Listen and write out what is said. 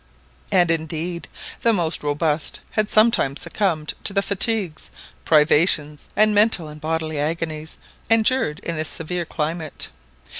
And indeed the most robust had sometimes succumbed to the fatigues, privations, and mental and bodily agonies endured in this severe climate.